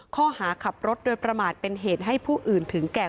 ข้อหาขับรถโดยประมาทเป็นเหตุให้ผู้อื่นถึงแก่